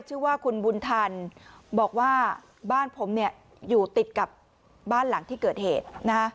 ชื่อว่าคุณบุญทันบอกว่าบ้านผมเนี่ยอยู่ติดกับบ้านหลังที่เกิดเหตุ